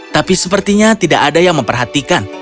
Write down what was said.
tapi sepertinya tidak ada yang memperhatikan